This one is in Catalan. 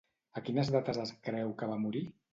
A quines dates es creu que va morir?